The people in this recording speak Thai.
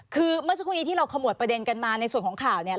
คือเมื่อช่วงนี้ที่เราขโมยประเด็นกันมาในส่วนของข่าว